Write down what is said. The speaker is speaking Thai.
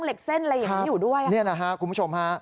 เหล็กเส้นอะไรอย่างงี้อยู่ด้วยอ่ะเนี่ยนะฮะคุณผู้ชมฮะ